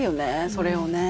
それをね。